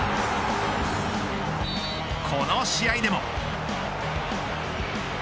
この試合でも。